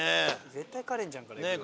絶対カレンちゃんから行くよ。